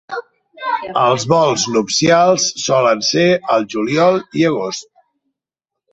Els vols nupcials solen ser al juliol i agost.